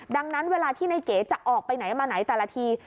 ดังนั้นเวลาที่ในเก๋จะออกไปไหนมาไหนแต่ละที